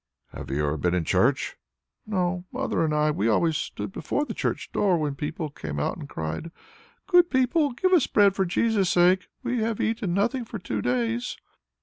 '" "Have you never been in church?" "No; mother and I we always stood before the church door when people came out and cried, 'Good people, give us bread for Jesus' sake; we have eaten nothing for two days.'"